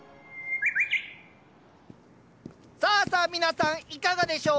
さぁさ皆さんいかがでしょう？